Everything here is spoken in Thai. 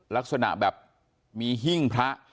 ลักษณะแบบมีหิ้งพระ